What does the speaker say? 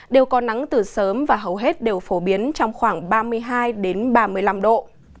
đều có nắng từ sớm và hầu hết đều phổ biến trong khoảng ba mươi hai ba mươi năm độ